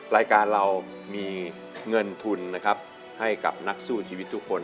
รายการเรามีเงินทุนนะครับให้กับนักสู้ชีวิตทุกคน